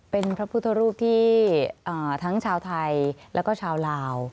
เป็นพระพุทธรูปที่ทั้งชาวไทยแล้วก็ชาวลาว